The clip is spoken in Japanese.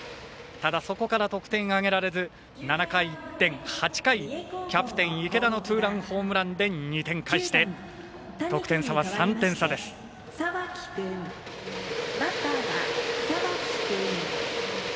ただ、そこから得点が挙げられず７回、１点８回、キャプテン、池田のツーランホームランで２点返して得点差は３点差です。